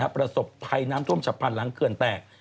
ประสบภัยน้ำท่วมฉับพันธ์หลังเขื่อนแตก